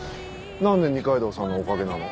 なんで二階堂さんのおかげなの？